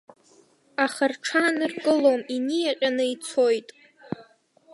Аха рҽааныркылом, иниаҟьаны ицоит!